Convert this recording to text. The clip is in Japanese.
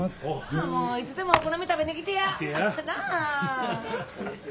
もういつでもお好み食べに来てや。来てや。